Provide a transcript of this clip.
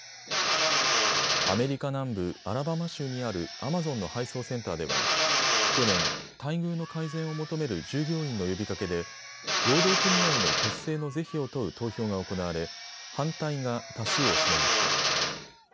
アメリカ南部アラバマ州にあるアマゾンの配送センターでは去年、待遇の改善を求める従業員の呼びかけで労働組合の結成の是非を問う投票が行われ反対が多数を占めました。